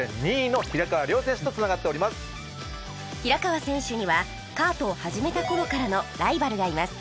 平川選手にはカートを始めた頃からのライバルがいます